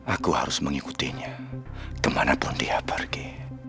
aku harus mengikutinya kemana pun dia pergi